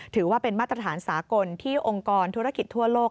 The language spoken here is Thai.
ถือว่าเป็นมาตรฐานสากลที่องค์กรธุรกิจทั่วโลก